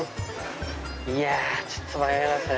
いやちょっと迷いますね。